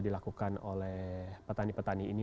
dilakukan oleh petani petani ini